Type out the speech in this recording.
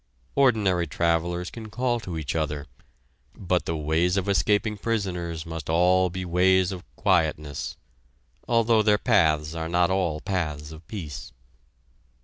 Ordinary travellers can call to each other, but the ways of escaping prisoners must all be ways of quietness, although their paths are not all paths of peace!